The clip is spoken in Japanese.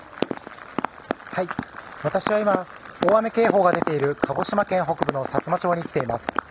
私は今大雨警報が出ている鹿児島県北部のさつま町に来ています。